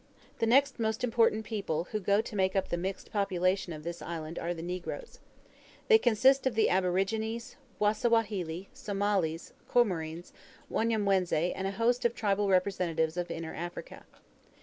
The next most important people who go to make up the mixed population of this island are the negroes. They consist of the aborigines, Wasawahili, Somalis, Comorines, Wanyamwezi, and a host of tribal representatives of Inner Africa.